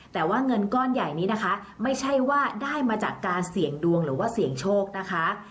แต่ว่าเงินก้อนใหญ่นี้นะคะไม่ใช่ว่าได้มาจากการเสี่ยงดวงหรือว่าเสี่ยงโชคนะคะ